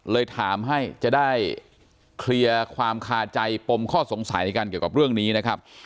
ถามให้จะได้เคลียร์ความคาใจปมข้อสงสัยกันเกี่ยวกับเรื่องนี้นะครับ